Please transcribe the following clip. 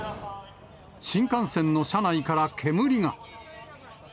新幹線の車内から煙が。